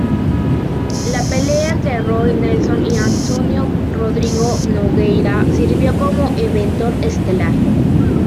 La pelea entre Roy Nelson y Antônio Rodrigo Nogueira sirvió como evento estelar.